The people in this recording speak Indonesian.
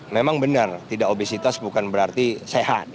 memang benar tidak obesitas bukan berarti sehat